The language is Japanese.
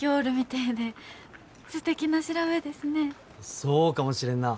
そうかもしれんなあ。